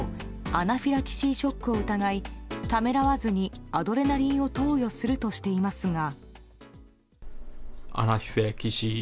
アナフィラキシーショックを疑いためらわずに、アドレナリンを投与するとしていますが。